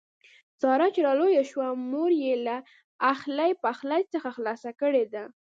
ساره چې را لویه شوه مور یې له اخلي پخلي څخه خلاصه کړې ده.